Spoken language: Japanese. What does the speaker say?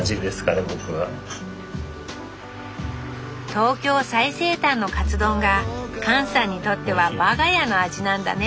「東京最西端のカツ丼」が勘さんにとっては我が家の味なんだね